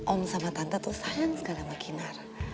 om sama tante tuh sayang sekali sama kinar